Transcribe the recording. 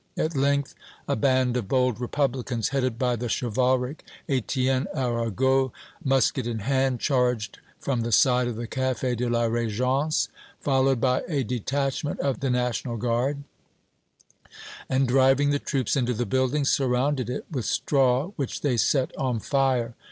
At length, a band of bold Republicans, headed by the chivalric Étienne Arago, musket in hand, charged from the side of the Café de la Régence, followed by a detachment of the National Guard, and, driving the troops into the building, surrounded it with straw which they set on fire.